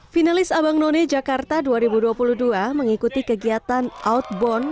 finalis abang none jakarta dua ribu dua puluh dua mengikuti kegiatan outbound